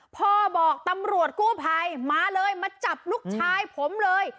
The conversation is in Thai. พ่อบอกตำรวจกู้ภัยมาเลยมาจับลูกชายผมเลย